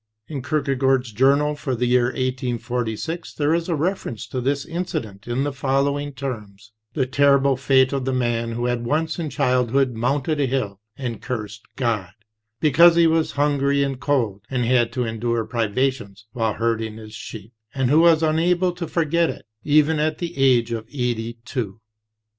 In Kierkegaard's journal for the year 1846 there is a reference to this incident in the following terms: "The terrible fate of the man who had once in childhood mounted a hill and cursed God, because he was hungry and cold, and had to endure privations while herding his sheep — and who was unable to forget it even at the age of eighty two."